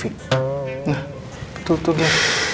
nah tutup ya